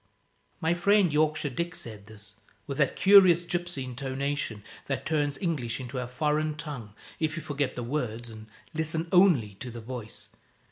My friend Yorkshire Dick said this, with that curious gypsy intonation that turns English into a foreign tongue if you forget the words and listen only to the voice.